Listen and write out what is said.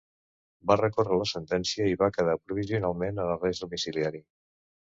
Va recórrer la sentència i va quedar provisionalment en arrest domiciliari.